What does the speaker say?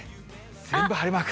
全部晴れマーク。